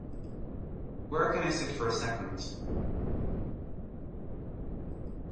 Where can I sit for a second?